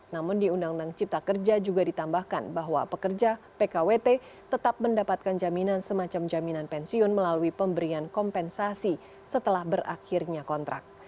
namun di undang undang cipta kerja juga ditambahkan bahwa pekerja pkwt tetap mendapatkan jaminan semacam jaminan pensiun melalui pemberian kompensasi setelah berakhirnya kontrak